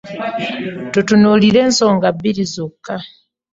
Tutunuulire ensonga bbiri zokka.